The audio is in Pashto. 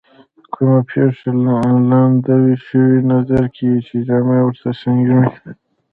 کومه پېښه لا نه وي شوې نظرګي یې جامه ورته سکڼي.